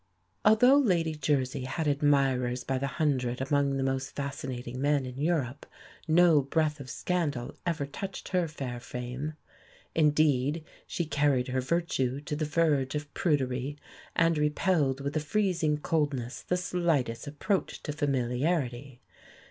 Although Lady Jersey had admirers by the hundred among the most fascinating men in Europe, no breath of scandal ever touched her fair fame. Indeed, she carried her virtue to the verge of prudery, and repelled with a freezing coldness the slightest approach to familiarity.